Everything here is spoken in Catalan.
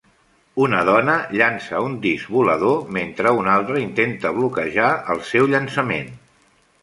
una dona llança un disc volador mentre una altra intenta bloquejar el seu llançament.